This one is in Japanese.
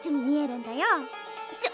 ちょ！